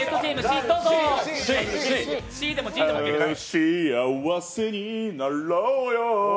幸せになろうよ